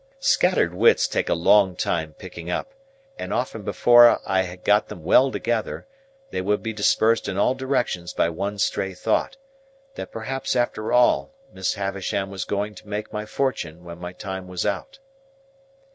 Scattered wits take a long time picking up; and often before I had got them well together, they would be dispersed in all directions by one stray thought, that perhaps after all Miss Havisham was going to make my fortune when my time was out.